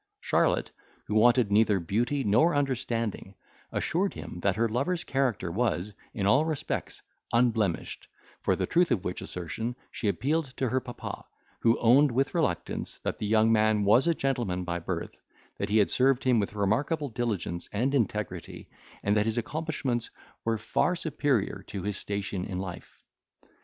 Charlotte, who wanted neither beauty nor understanding, assured him that her lover's character was, in all respects, unblemished, for the truth of which assertion she appealed to her papa, who owned, with reluctance, that the young man was a gentleman by birth, that he had served him with remarkable diligence and integrity, and that his accomplishments were far superior to his station in life.